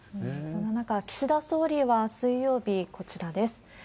そんな中、岸田総理は水曜日、こちらです。